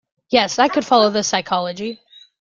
Yes, I could follow the psychology.